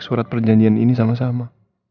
surat perjanjian ini sama sama